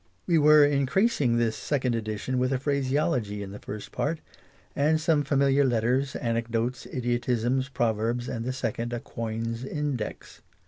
We were increasing this second edition with a phraseology, in the first part, and English as she is spoke. some familiar letters^ anecdotes^ idiotisms^ proverbs^ and to second a coitis index.